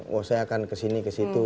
wah saya akan kesini kesini